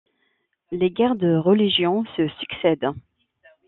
Les guerres de religion se succèdent.